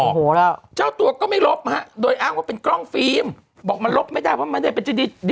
เกิดอะไรขึ้นแต่ไม่ออกแฟนลืมไหมไม่ไม่ออกลืมเปิดแป๊บ